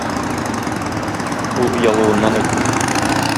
Ул оялуыннан әйтми.